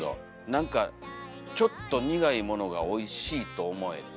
なんかちょっと苦いものがおいしいと思えたり。